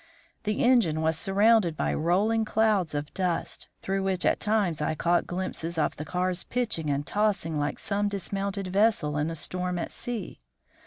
The engine was surrounded by rolling clouds of dust, through which at times I caught glimpses of the cars pitching and tossing like some dismantled vessel in a storm at sea.